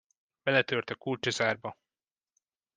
Beletört a kulcs a zárba.